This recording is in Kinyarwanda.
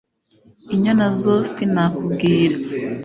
Inyana zo sinakubwira